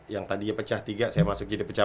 yang tadinya pecah tiga saya masuk jadi pecah